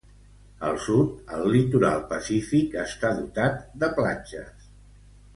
Al sud al litoral Pacífic està dotat de platges.